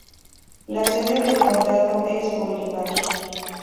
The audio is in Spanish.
La sede del condado es Bolívar.